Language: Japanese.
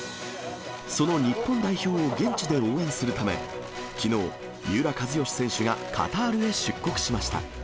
その日本代表を現地で応援するため、きのう、三浦知良選手がカタールへ出国しました。